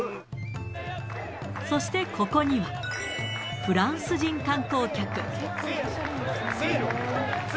そしてここには、フランス人観光客。